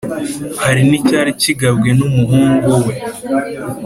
hari n'icyari kigabwe n'umuhungu we